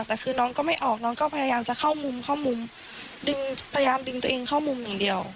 แต่คือน้องก็ไม่ออกน้องก็พยายามจะเข้ามุมเข้ามุมดึงพยายามดึงตัวเองเข้ามุมอย่างเดียว